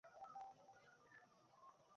তবে তা সর্বদিক থেকেই দুর্বল।